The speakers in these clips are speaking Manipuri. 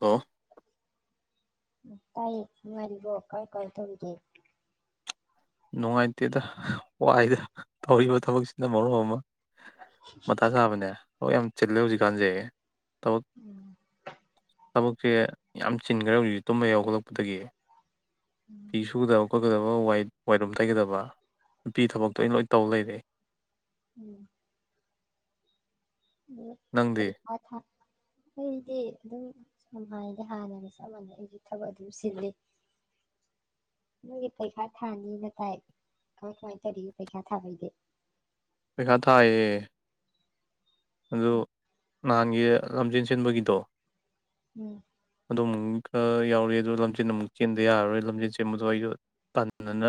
ꯍꯂꯣ ꯇꯥꯏꯌꯦ ꯅꯨꯉꯥꯏꯔꯤꯕꯣ ꯀꯥꯃꯏ ꯀꯥꯃꯏ ꯇꯧꯔꯤꯒꯦ ꯅꯨꯡꯉꯥꯏꯇꯦꯗ ꯋꯥꯏꯗ ꯇꯧꯔꯤꯕ ꯊꯕꯛꯁꯤꯅ ꯃꯔꯣꯜ ꯑꯃ ꯃꯊꯥ ꯁꯥꯕꯅꯦ ꯑꯣ ꯌꯥꯝ ꯆꯤꯜꯂꯦ ꯍꯧꯖꯤꯛꯀꯥꯟꯁꯦ ꯇꯧ ꯊꯕꯛꯁꯦ ꯌꯥꯝ ꯆꯤꯟꯈ꯭ꯔꯦ ꯍꯧꯖꯤꯛꯤ ꯇꯨꯝꯕ ꯍꯦꯛ ꯍꯧꯒꯠꯂꯛꯄꯗꯒꯤ ꯄꯤꯁꯨꯗ ꯑꯩꯈꯣꯏ ꯑꯩꯈꯣꯢ ꯍꯥꯏꯕꯨ ꯋꯥꯏꯠ ꯔꯝ ꯇꯩꯒꯗꯕ ꯅꯨꯄꯤ ꯊꯕꯛꯇꯣ ꯑꯩꯅꯥ ꯂꯣꯏ ꯇꯧ ꯂꯩꯔꯦ ꯎꯝ ꯅꯪꯗꯤ ꯎꯔꯤꯀ ꯊ [unintelligible] ꯑꯩꯗꯤ ꯑꯗꯨꯝ ꯁꯨꯃꯥꯏꯅ ꯍꯥꯟꯅꯅ ꯆꯞ ꯃꯥꯟꯅꯅ ꯊꯕꯛ ꯑꯗꯨꯝ ꯁꯤꯜꯂꯤ ꯅꯣꯏꯒꯤ ꯄꯩꯈꯥ ꯊꯥꯔꯥꯅꯤ ꯍꯥꯏꯅ ꯇꯥꯏ ꯀꯃꯥꯏ ꯀꯃꯥꯏꯅ ꯇꯧꯔꯤꯒꯦ ꯄꯩꯈꯥ ꯊꯥꯕꯩꯗꯤ ꯄꯩꯈꯥ ꯊꯥꯏꯌꯦ ꯑꯗꯨꯣ ꯅꯥꯍꯟꯒꯤ ꯂꯝꯖꯦꯟ ꯆꯦꯟꯕꯒꯤꯗꯣ ꯎꯝ ꯑꯗꯨꯃꯨꯛꯀ ꯌꯥꯎꯔꯤ ꯑꯗꯣ ꯂꯝꯖꯦꯟ ꯑꯃꯨꯛ ꯆꯦꯟꯗ ꯌꯥꯔꯔꯣꯏ ꯂꯝꯖꯦꯟ ꯆꯦꯟꯕꯗꯣ ꯑꯩꯗꯣ ꯇꯥꯟꯅꯅ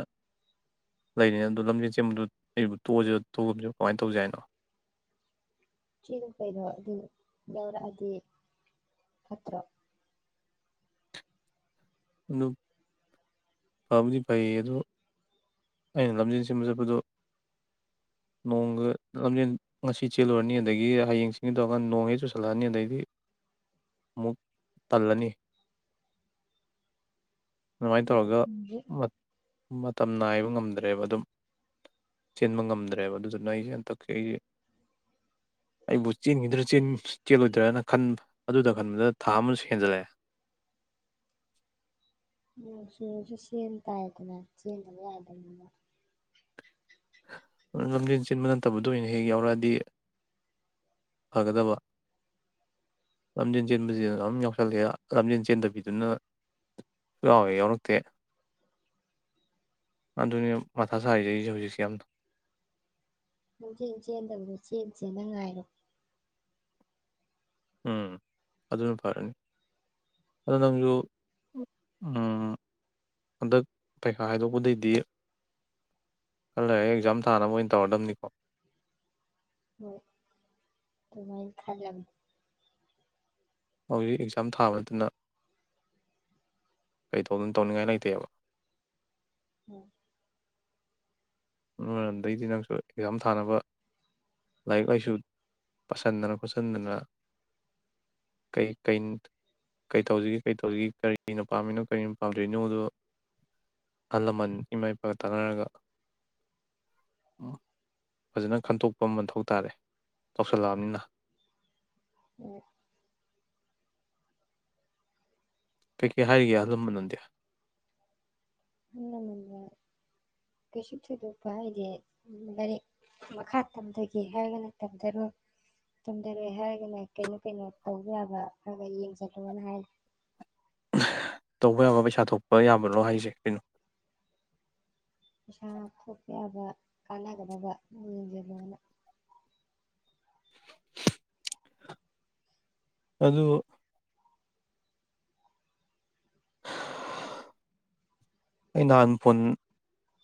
ꯂꯩꯔꯤ ꯑꯗꯨꯗꯣ ꯂꯝꯖꯦꯟ ꯆꯦꯟꯕꯗꯣ ꯑꯩꯕꯨ ꯇꯣꯛꯑꯁꯤ ꯇꯣꯛꯕꯁꯨ ꯀꯃꯥꯏꯅ ꯇꯧꯖꯦ ꯍꯥꯏꯅꯣ ꯆꯦꯂꯨ ꯀꯩꯅꯣ ꯑꯗꯨ ꯌꯥꯎꯔꯛ ꯑꯗꯤ ꯐꯠꯇꯔꯣ ꯑꯗꯨ ꯐꯕꯨꯗꯤ ꯐꯩꯌꯦ ꯑꯗ ꯑꯩꯅ ꯂꯝꯖꯦꯟ ꯆꯦꯟꯕ ꯆꯠꯄꯗꯣ ꯅꯣꯡꯒ ꯂꯝꯖꯦꯟ ꯉꯁꯤ ꯆꯦꯜꯂꯨꯔꯅꯤ ꯑꯗꯒꯤ ꯍꯌꯦꯡ ꯆꯦꯜꯒꯦ ꯇꯧꯔꯀꯥꯟꯗ ꯅꯣꯡ ꯍꯦꯛ ꯆꯨꯁꯜꯂꯛꯑꯅꯤ ꯑꯗꯩꯗꯤ ꯑꯃꯨꯛ ꯇꯜꯂꯅꯤ ꯑꯗꯨꯃꯥꯏꯅ ꯇꯧꯔꯒ ꯃꯥꯌ ꯃꯥꯌ ꯇꯝ ꯅꯥꯏꯕ ꯉꯝꯗ꯭ꯔꯦꯕ ꯑꯗꯨꯝ ꯆꯦꯟꯕꯥ ꯉꯝꯗ꯭ꯔꯦ ꯔꯦꯕ ꯑꯗꯨꯗꯨꯅ ꯑꯩꯁꯦ ꯍꯟꯇꯛ ꯑꯩꯁꯦ ꯑꯩꯕꯨ ꯆꯦꯟꯈꯤꯗ꯭ꯔ ꯆꯦꯜꯂꯣꯏꯗ꯭ꯔꯅ ꯈꯟꯕ ꯑꯗꯨꯗ ꯈꯟꯕꯗ ꯊꯥ ꯑꯃꯁꯨ ꯍꯦꯟꯖꯜꯂꯛꯑꯦ ꯅꯣꯡ ꯆꯨꯔꯁꯨ ꯆꯦꯟ ꯇꯥꯏꯗꯅ ꯆꯦꯟꯗꯕ ꯌꯥꯗꯥꯃꯤꯅꯥ ꯂꯝꯖꯦꯟ ꯆꯦꯟꯕ ꯅꯠꯇꯕꯗꯨꯅ ꯑꯣꯏꯅ ꯍꯦꯛ ꯌꯥꯎꯔꯛꯑꯗꯤ ꯐꯒꯗꯕ ꯂꯝꯖꯦꯟ ꯆꯦꯟꯕꯁꯤꯗ ꯑꯗꯨꯝ ꯌꯥꯎꯁꯜꯂꯦ ꯂꯝꯖꯦꯟ ꯆꯦꯟꯗꯕꯤꯗꯨꯅ ꯁꯨꯛꯌꯥꯎ ꯍꯦꯛ ꯌꯥꯎꯔꯛꯇꯦ ꯑꯗꯨꯅꯤꯅꯦ ꯃꯊꯥ ꯁꯥꯔꯤꯁꯨ ꯑꯩꯁꯤ ꯍꯧꯖꯤꯛꯁꯨ ꯀꯦꯝ ꯗꯤ ꯂꯝꯖꯦꯟ ꯆꯦꯟꯗꯕꯤꯗꯨ ꯆꯦꯅꯥ ꯆꯦꯅꯥ ꯉꯥꯏꯔꯣ ꯎꯝ ꯑꯗꯨꯅ ꯐꯔꯅꯤ ꯑꯗꯣ ꯅꯪꯁꯨ ꯎꯃ ꯍꯟꯗꯛ ꯄꯩꯈꯥ ꯍꯥꯏꯗꯣꯛꯄꯗꯩꯗꯤ ꯈꯔ ꯂꯩꯔꯒ ꯑꯦꯛꯖꯥꯝ ꯊꯥꯅꯕ ꯑꯣꯏꯅ ꯇꯧꯔꯗꯕꯅꯤꯀꯣ ꯍꯣꯏ ꯑꯗꯨꯃꯥꯏ ꯈꯜꯂꯝꯃꯤ ꯍꯧꯖꯤꯛ ꯑꯦꯛꯖꯥꯝ ꯊꯥꯕꯥ ꯅꯥꯠꯇꯥꯅꯥ ꯀꯩ ꯇꯧꯅꯤ ꯇꯧꯅꯤꯡꯉꯥꯏ ꯂꯩꯇꯦꯕ ꯎꯝ ꯎꯝ ꯑꯗꯩꯗꯤ ꯅꯪꯁꯨ ꯑꯦꯛꯖꯥꯝ ꯊꯥꯅꯕ ꯂꯥꯏꯔꯤꯛ ꯂꯥꯏꯁꯨ ꯄꯁꯤꯟꯗꯅ ꯈꯣꯠꯆꯟꯗꯅ ꯀꯩ ꯀꯩ ꯇꯧꯁꯤꯒꯦ ꯀꯩ ꯇꯧꯁꯤꯒꯦ ꯀꯔꯤꯅ ꯄꯥꯝꯃꯤꯅꯣ ꯀꯔꯤꯅ ꯄꯥꯝꯗꯣꯏꯅꯣꯗ ꯑꯍꯜ ꯂꯃꯟ ꯏꯃꯥ ꯏꯄꯥꯒ ꯇꯥꯟꯅꯔꯒ ꯎ ꯐꯖꯅ ꯈꯟꯇꯣꯛꯄ ꯃꯊꯧ ꯇꯥꯔꯦ ꯇꯧꯁꯜꯂꯛꯑꯕꯅꯤꯅ ꯎꯝ ꯀꯩꯀꯩ ꯍꯥꯏꯔꯤꯒꯦ ꯑꯜꯂꯝꯃ ꯅꯥꯗꯤ ꯑꯍꯜ ꯂꯥꯃꯜꯅꯥ ꯀꯩꯁꯨ ꯊꯣꯏꯗꯣꯛꯄ ꯍꯥꯏꯗꯦ ꯂꯥꯏꯔꯤꯛ ꯃꯈꯥ ꯇꯝꯊꯒꯦ ꯍꯥꯏꯔꯒꯅ ꯇꯝꯊꯔꯣꯏ ꯇꯝꯊꯔꯣꯏ ꯍꯥꯏꯔꯒꯅ ꯀꯩꯅꯣ ꯀꯩꯅꯣ ꯇꯧꯕ ꯌꯥꯕ ꯈꯔꯒ ꯌꯦꯡꯁꯤꯜꯂꯣꯅ ꯍꯥꯏꯔꯦ ꯇꯧꯕ ꯌꯥꯕ ꯄꯩꯁꯥ ꯊꯣꯛꯄ ꯌꯥꯕꯔꯣ ꯍꯥꯏꯁꯦ ꯀꯩꯅꯣ ꯄꯩꯁꯥ ꯊꯣꯛꯄꯥꯌꯥꯕꯥ ꯀꯥꯟꯅꯒꯗꯕ ꯌꯦꯡꯖꯤꯟꯂꯣꯅ ꯑꯗꯨ ꯑꯩ ꯅꯍꯥꯟ ꯐꯣꯟ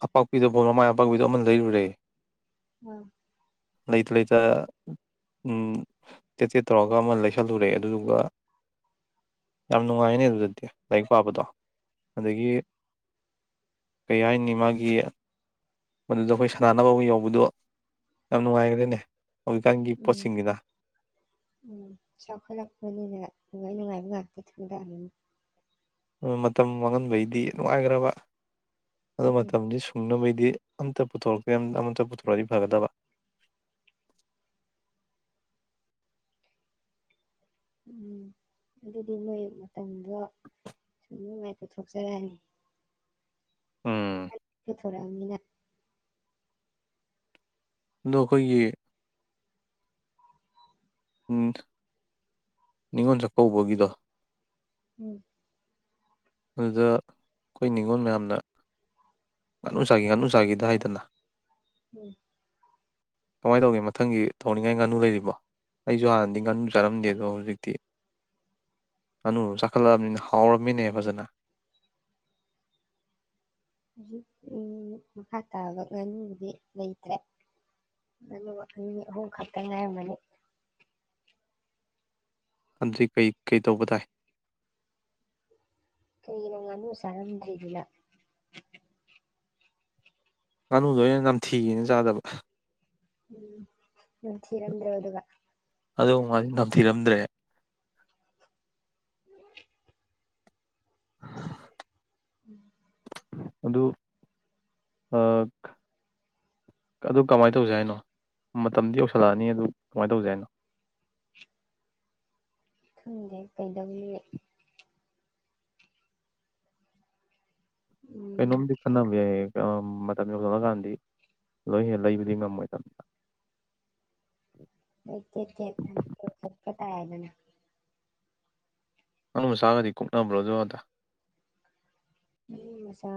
ꯑꯄꯥꯛꯄꯤꯗꯨ ꯐꯣꯟ ꯃꯃꯥꯏ ꯑꯄꯥꯛꯄꯤꯗꯨ ꯑꯃ ꯂꯩꯔꯨꯔꯦ ꯑꯥ ꯂꯩꯇ ꯂꯩꯇ ꯎꯃ ꯇꯦꯠ ꯇꯦꯠ ꯇꯧꯔꯒ ꯑꯃ ꯂꯩꯁꯤꯜꯂꯨꯔꯦ ꯑꯗꯨꯗꯨꯒ ꯌꯥꯝ ꯅꯨꯡꯉꯥꯏꯅꯦ ꯑꯗꯨꯗꯗꯤ ꯂꯥꯏꯔꯤꯛ ꯄꯥꯕꯗꯣ ꯑꯗꯒꯤ ꯀꯩ ꯍꯥꯏꯅꯤ ꯃꯒꯤ ꯃꯗꯨꯗ ꯑꯩꯈꯣꯏ ꯁꯥꯟꯅꯅꯕ ꯑꯃ ꯌꯧꯕꯗꯣ ꯌꯥꯝ ꯎꯝ ꯅꯨꯡꯉꯥꯏꯈ꯭ꯔꯦꯅꯦ ꯍꯧꯖꯤꯛꯀꯥꯟꯒꯤ ꯎꯝ ꯄꯣꯠꯁꯤꯡꯁꯤꯅ ꯎꯃ ꯆꯥꯎꯈꯠꯂꯛꯄꯅꯤꯅꯥ ꯅꯨꯡꯉꯥꯏ ꯅꯨꯡꯉꯥꯏꯕ ꯉꯥꯛꯇ ꯊꯤꯟꯗꯕꯤꯅꯤ ꯎꯃ ꯃꯇꯝ ꯃꯥꯡꯍꯟꯕꯩꯗꯤ ꯅꯨꯡꯉꯥꯏꯈꯒꯔꯕ ꯑꯗꯨ ꯎꯝ ꯎꯝ ꯃꯇꯝꯗꯤ ꯁꯨꯡꯅꯕꯩꯗꯤ ꯑꯝꯇ ꯄꯨꯊꯣꯔꯛꯇꯦ ꯑꯃꯇ ꯄꯨꯊꯣꯔꯛꯗꯤ ꯐꯒꯗꯕ ꯎꯝ ꯑꯗꯨꯗꯤ ꯃꯣꯏ ꯃꯇꯝꯗꯣ ꯁꯨꯅꯤꯡꯉꯥꯏ ꯄꯨꯊꯣꯛ ꯆꯔꯥꯅꯤ ꯎꯝ ꯈꯊꯨꯔ꯭ꯃꯤꯅꯥ ꯑꯗꯣ ꯑꯥꯈꯣꯏꯒꯤ ꯎ ꯅꯤꯡꯉꯣꯟ ꯆꯥꯛꯀꯂꯀꯧꯕꯒꯤꯗꯣ ꯎꯝ ꯑꯗꯨꯗ ꯑꯩꯈꯣꯏ ꯅꯤꯉꯣꯜ ꯃꯌꯥꯝꯅ ꯉꯥꯅꯨ ꯆꯥꯖꯤ ꯉꯥꯅꯨ ꯆꯥꯖꯤꯗ ꯍꯥꯏꯗꯅ ꯎꯝ ꯀꯃꯥꯏꯅ ꯇꯧꯒꯦ ꯃꯊꯪꯒꯤ ꯊꯣꯡꯅꯤꯡꯉꯥꯏ ꯉꯥꯅꯨ ꯂꯩꯔꯤꯕꯣ ꯑꯩꯁꯨ ꯍꯥꯟꯅꯗꯤ ꯉꯥꯅꯨ ꯆꯥꯔꯝꯗꯦ ꯑꯗꯣ ꯍꯧꯖꯤꯛꯇꯤ ꯉꯥꯅꯨꯗꯨ ꯆꯥꯈꯠꯂꯛꯑꯕꯅꯤꯅ ꯍꯥꯎꯔꯝꯃꯤꯅꯦ ꯐꯖꯅ ꯍꯧ ꯎ ꯃꯈꯥ ꯇꯥꯕ ꯉꯥꯅꯨꯕꯨꯗꯤ ꯂꯩꯇ꯭ꯔꯦ ꯉꯅꯨ ꯑ ꯑꯍꯨꯝ ꯈꯛꯇ ꯉꯥꯏꯔꯝꯃꯅꯤ ꯑꯗꯨꯗꯤ ꯀꯩ ꯀꯩ ꯇꯧꯕ ꯇꯥꯏ ꯀꯔꯤꯒꯤꯅꯣ ꯉꯥꯅꯨ ꯆꯥꯅꯤꯉꯛ ꯏꯗꯨꯅ ꯉꯥꯅꯨꯗꯣ ꯑꯩꯅ ꯅꯝꯊꯤꯅ ꯆꯥꯗꯕ ꯎꯝ ꯅꯃꯊꯤꯔꯝꯗꯔ꯭ꯕ ꯑꯗꯨꯒ ꯑꯗꯨ ꯃꯥꯗꯤ ꯅꯝꯊꯤꯔꯝꯗ꯭ꯔꯦ ꯎꯝ ꯑꯗꯨ ꯑꯗꯨ ꯀꯃꯥꯏꯅ ꯇꯧꯁꯤ ꯍꯥꯏꯅꯣ ꯃꯇꯝꯗꯤ ꯌꯧꯁꯤꯜꯂꯛꯑꯅꯤ ꯑꯗꯨ ꯀꯃꯥꯏꯅ ꯇꯧꯁꯤ ꯍꯥꯏꯅꯣ ꯈꯪꯗꯦ ꯀꯩꯗꯧꯅꯤ ꯎꯝ ꯀꯩꯅꯣꯝꯃꯗꯤ ꯈꯟꯅꯕꯥ ꯃꯇꯝ ꯌꯧꯔꯥꯀꯥꯟꯗꯤ ꯂꯣꯏ ꯍꯦ ꯂꯩꯕꯨꯗꯤ ꯉꯝꯃꯣꯏꯅ ꯇꯦꯛ ꯇꯦꯛ ꯇꯦꯛ ꯑꯅ ꯆꯥꯕꯥꯒꯗꯤ ꯀꯨꯛꯅꯥꯕ꯭ꯔꯣꯖꯊ ꯃꯁꯥ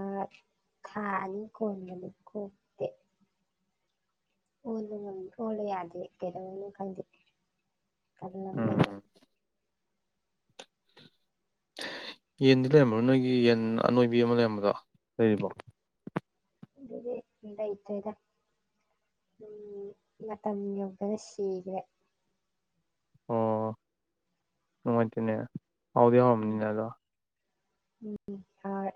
ꯈꯅꯤ ꯀꯣꯟꯅꯤ ꯈꯇ ꯑꯣꯂ ꯑꯣꯂ ꯌꯥꯗꯦ ꯀꯩꯗꯧꯅꯤ ꯈꯪꯗꯦ ꯀꯜꯅ ꯀꯩꯩꯅ ꯎꯝ ꯌꯦꯟꯗꯤ ꯂꯩꯔꯝꯕ꯭ꯔꯣ ꯅꯣꯏꯒꯤ ꯌꯦꯟ ꯑꯅꯣꯏꯕꯤ ꯑꯃ ꯂꯩꯔꯝꯕꯗꯣ ꯂꯩꯔꯤꯕꯣ ꯑꯗꯨꯗꯤ ꯂꯩꯇꯦꯗ ꯎꯝ ꯃꯇꯝ ꯌꯧꯔꯛꯄꯗꯥ ꯁꯤꯒ꯭ꯔꯦ ꯑꯣ ꯅꯨꯪꯉꯥꯏꯇꯦꯅꯦ ꯍꯥꯎꯗꯤ ꯎꯝ ꯍꯥꯑꯣꯔꯝꯅꯤꯅꯦ ꯑꯗꯣ ꯎꯝ ꯑ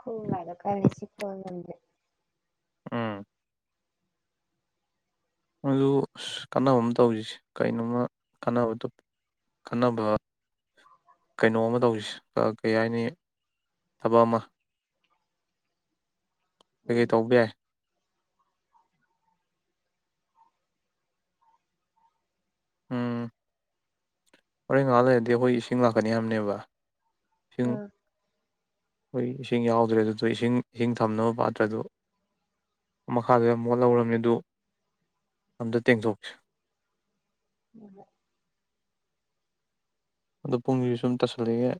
ꯀꯨꯗ ꯀ ꯑꯁꯤꯄ ꯎꯝ ꯑꯗꯨ ꯀꯥꯟꯅꯕ ꯑꯃ ꯇꯧꯁꯤꯁꯦ ꯀꯩꯅꯣꯝꯃ ꯀꯥꯟꯅꯕꯗ ꯀꯥꯟꯅꯕ ꯀꯩꯅꯣꯝꯃ ꯇꯧꯁꯤꯁꯦ ꯀꯩ ꯍꯥꯏꯅꯤ ꯊꯕꯛ ꯑꯃ ꯎꯝ ꯀꯩꯀꯩ ꯇꯧꯕ ꯌꯥꯏ ꯎꯝ ꯍꯣꯔꯦꯜ ꯉꯥꯏꯍꯥ ꯂꯩꯔꯗꯤ ꯑꯩꯈꯣꯏ ꯏꯁꯤꯡ ꯂꯥꯛꯀꯅꯤ ꯍꯥꯏꯕꯅꯦꯕ ꯏꯁꯤꯡ ꯎꯝ ꯑꯩꯈꯣꯏ ꯏꯁꯤꯡ ꯌꯥꯎꯗ꯭ꯔꯦ ꯑꯗꯨꯗꯣ ꯏꯁꯤꯡ ꯏꯁꯤꯡ ꯊꯝꯅꯕ ꯄꯥꯇ꯭ꯔꯗꯨ ꯃꯈꯥꯗ ꯌꯥꯝ ꯃꯣꯠꯍꯧꯔꯕꯅꯤ ꯑꯗꯨ ꯑꯝꯇ ꯇꯦꯡꯊꯣꯛꯁꯤ ꯎꯝ ꯑꯗꯨꯗ ꯄꯨꯡꯁꯤ ꯁꯨꯝ ꯇꯁꯤꯜꯂꯛꯑ°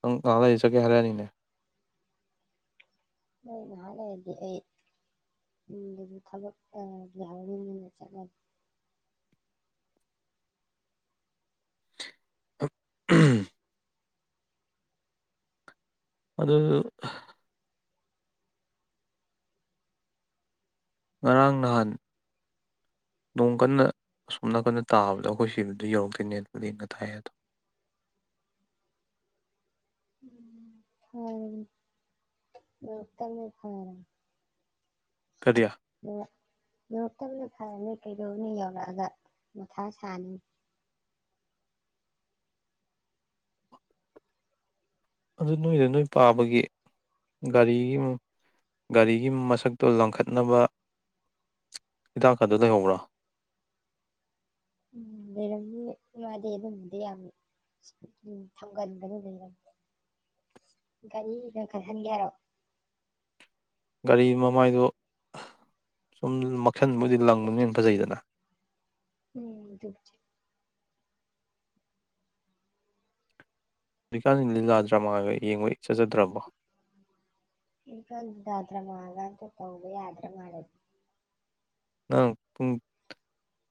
ꯅꯪ ꯉꯥꯏꯍꯥꯛ ꯂꯩꯔꯒꯦ ꯆꯠꯀꯦ ꯍꯥꯏꯔꯛꯑꯅꯤꯅꯦ ꯅ ꯉꯍꯥꯛ ꯂꯩꯔꯗꯤ ꯎ ꯊꯕ ꯑ ꯌꯥ ꯆ ꯎꯝ ꯑꯗꯨꯗꯨ ꯉꯔꯥꯡ ꯅꯍꯥꯟ ꯅꯣꯡ ꯀꯟꯅ ꯑꯁꯣꯝ ꯅꯥꯀꯟꯗ ꯇꯥꯕꯗ ꯑꯩꯈꯣꯏ ꯁꯤꯕꯗ ꯌꯧꯔꯛꯇꯣꯏꯅꯦꯄꯗꯤꯡꯅ ꯊꯥꯏ ꯑꯗꯣ [unintelligible] ꯐꯔ [unintelligible] ꯀꯔꯤ ꯐꯔꯅꯤ ꯀꯩꯗꯧꯅꯤ ꯌꯧꯔꯛꯑꯒ ꯃꯊꯥ ꯁꯥꯅꯤ ꯑꯗꯨ ꯅꯣꯏꯗ ꯅꯣꯏ ꯄꯥꯕꯒꯤ ꯒꯥꯔꯤꯒꯤ ꯒꯥꯔꯤꯒꯤ ꯃꯁꯛꯇꯣ ꯂꯪꯈꯠꯅꯕ ꯍꯤꯗꯥꯛ ꯑꯗꯨ ꯂꯩꯍꯧꯕ꯭ꯔꯥ ꯎꯝ ꯂꯩꯔꯝꯅꯤ ꯃꯥꯗꯤ ꯑꯗꯨꯝꯕꯗꯤ ꯌꯥꯝ ꯎ ꯊꯝꯒꯟꯕꯗꯨ ꯂꯩꯔꯝꯃꯤ ꯒꯥꯔꯤꯗ ꯈꯜꯍꯟꯒꯦꯔꯣ ꯒꯥꯔꯤ ꯃꯃꯥꯏꯗꯣ ꯁꯨꯝ ꯃꯛꯁꯟꯕꯨꯣꯏꯗꯤ ꯂꯪꯗꯅ ꯍꯟꯅ ꯐꯖꯩꯗꯅ ꯎꯝ ꯑꯗꯨꯖ ꯍꯧꯖꯤꯛꯀꯥꯟ ꯂꯤ ꯂꯤꯂꯥꯗ꯭ꯔꯃꯥꯒ ꯌꯦꯡꯕ ꯏꯆꯖꯗ꯭ꯔꯕꯣ ꯏꯒꯟꯗꯗ꯭ꯔ ꯃꯥꯒ ꯇ ꯇꯧꯕꯕ ꯌꯥꯗ꯭ꯔꯥ ꯃꯥꯗꯤ ꯅꯪ ꯄꯨꯡ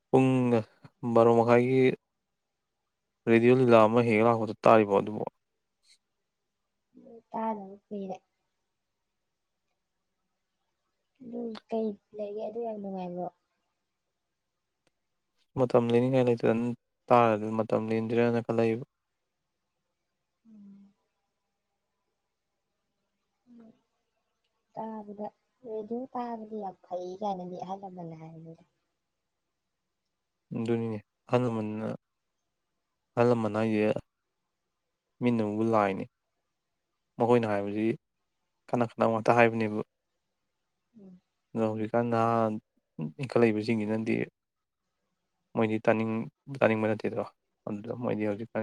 ꯄꯨꯡ ꯕꯥꯔꯣ ꯃꯈꯥꯏꯒꯤ ꯔꯦꯗꯤꯑꯣ ꯂꯤꯂꯥ ꯑꯃ ꯍꯦꯛꯒ ꯂꯥꯛꯄꯗ ꯇꯥꯔꯤꯕ ꯑꯗꯨꯕꯨ ꯇꯥ ꯑꯗꯨ ꯀꯔꯦ ꯑꯗꯨ ꯀꯩ ꯂꯩꯒꯦ ꯑꯗꯨ ꯌꯥꯝ ꯅꯨꯡꯉꯥꯏꯕ꯭ꯔꯣ ꯃꯇꯝ ꯂꯤꯅꯤꯡꯉꯥꯏ ꯂꯩꯇꯗꯅ ꯇꯥꯔꯗꯤ ꯃꯇꯝ ꯂꯤꯗ꯭ꯔꯦꯅ ꯈꯜꯂꯛꯕ ꯎꯝ ꯎ ꯇꯥꯕꯗ ꯔꯗꯤ ꯇꯥꯕꯗꯤ ꯌꯥꯝ ꯐꯩ ꯀꯥꯏꯅꯗꯤ ꯑꯍꯜ ꯂꯃꯟꯅ ꯍꯥꯏꯔꯅꯤꯗ ꯑꯗꯨꯅꯤꯅꯦ ꯑꯍꯜ ꯂꯃꯟꯅ ꯑꯍꯜ ꯂꯃꯟ ꯍꯥꯏꯁꯦ ꯃꯤꯅꯕꯨ ꯂꯥꯛꯏꯅꯦ ꯃꯈꯣꯏꯅ ꯍꯥꯏꯕꯁꯤ ꯀꯅ ꯀꯅꯕ ꯉꯥꯛꯇ ꯍꯥꯏꯕꯅꯦꯕ ꯎꯝ ꯑꯗꯣ ꯍꯧꯖꯤꯛꯀꯥꯟ ꯅꯍꯥ ꯏꯟꯈꯠꯂꯛꯏꯕꯁꯤꯡꯒꯤꯅꯣꯏ ꯇꯥꯕꯠꯇꯦꯗꯣ ꯑꯗꯨꯗ ꯃꯣꯏꯗꯤ ꯍꯧꯖꯤꯛ ꯀ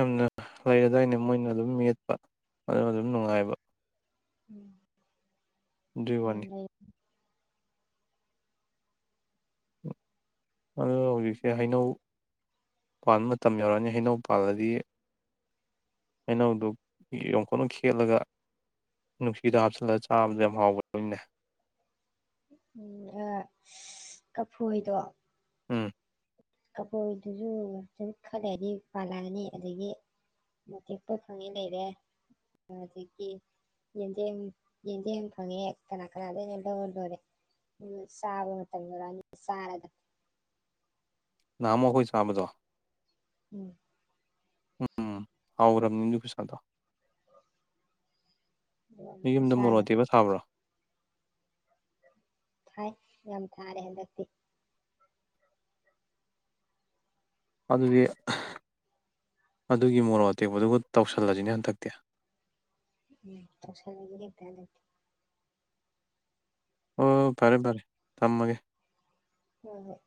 ꯌꯥꯝꯅ ꯂꯩꯔꯗꯥꯏꯅꯦ ꯃꯣꯏꯅ ꯑꯗꯨꯝ ꯃꯦꯠꯄ ꯑꯗꯨꯅ ꯑꯗꯨꯝ ꯅꯨꯡꯉꯥꯏꯕ ꯎꯝ ꯑꯗꯨꯒꯤ ꯎ ꯋꯥꯅꯤ ꯂꯩ ꯎ ꯑ ꯍꯧꯖꯤꯛꯁꯦ ꯍꯥꯏꯥꯏꯅꯧ ꯄꯥꯟꯕ ꯃꯇꯝ ꯌꯧꯔꯛꯑꯅꯤ ꯍꯩꯅꯧ ꯄꯥꯜꯂꯗꯤ ꯍꯩꯅꯧꯗꯨ ꯌꯣꯈꯠꯅ ꯈꯦꯠꯂꯒ ꯅꯨꯡꯁꯤꯗ ꯍꯥꯞꯆꯤꯜꯂꯒ ꯆꯥꯕꯗ ꯌꯥꯝ ꯍꯥꯎꯒꯗꯣꯏꯅꯦ ꯎꯝ ꯑ ꯀꯐꯣꯏꯗꯣ ꯎꯝ ꯀꯕꯣꯏꯗꯨꯁꯨ ꯁꯨꯝ ꯈꯜꯂꯛꯑꯗꯤ ꯄꯥꯜꯂꯛꯑꯅꯤ ꯑꯗꯨꯗꯒꯤ ꯃꯇꯦꯛꯄꯣꯠ ꯐꯪꯉꯤ ꯂꯩꯔꯦ ꯑꯗꯨꯗꯒꯤ ꯌꯦꯟꯗꯦꯝ ꯌꯦꯟꯗꯦꯝ ꯐꯪꯉꯦ ꯀꯅꯥ ꯀꯅꯥꯗꯅ ꯂꯧꯔ ꯂꯣꯏꯔꯦ ꯆꯥꯕ ꯃꯇꯝ ꯌꯣꯏꯔꯛꯑꯅꯤ ꯆꯥꯔꯒ ꯃꯣ ꯀꯣꯏ ꯆꯕꯗꯣ ꯎꯝ ꯎꯝ ꯑꯥꯎ ꯔꯝꯅꯤꯗꯨ ꯐ ꯁꯥꯥꯗ ꯑꯗꯨꯒ ꯃꯤ ꯑꯃꯨꯛꯀ ꯌꯨꯝꯗ ꯃꯣꯔꯣ ꯆꯥꯒꯗꯝ ꯇꯦꯕ ꯁꯥꯕ꯭ꯔꯣ ꯊꯥꯏ ꯌꯥꯝ ꯊꯥꯔꯦ ꯍꯟꯗꯛꯇꯤ ꯑꯗꯨꯗꯤ ꯑꯗꯨꯒꯤ ꯃꯣꯔꯣꯛ ꯑꯇꯦꯛꯄꯗꯨꯒ ꯇꯧꯁꯜꯂꯁꯤꯅꯦ ꯍꯟꯇꯛꯇꯤ ꯎꯝ ꯇꯁꯒꯦ ꯑꯣ ꯐꯔꯦ ꯐꯔꯦ ꯊꯝꯃꯒꯦ ꯎꯝ ꯍꯣꯏ